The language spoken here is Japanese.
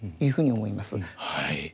はい。